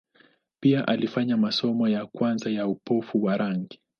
Pia alifanya masomo ya kwanza ya upofu wa rangi.